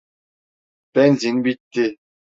Benzin bitti.